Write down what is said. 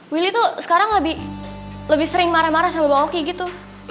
willy tuh sekarang lebih sering marah marah sama bang oki gitu